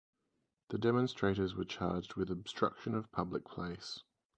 The demonstrators were charged with obstruction of public place.